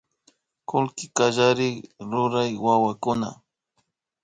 Kullki kallarik rurya wawakuna